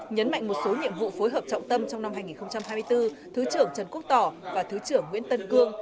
nhấn mạnh một số nhiệm vụ phối hợp trọng tâm trong năm hai nghìn hai mươi bốn thứ trưởng trần quốc tỏ và thứ trưởng nguyễn tân cương